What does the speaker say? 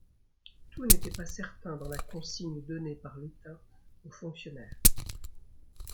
Tout n’était pas certain dans la consigne donnée par l’état au fonctionnaire!